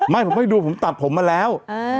ไม่ผมให้ดูผมตัดผมมาแล้ว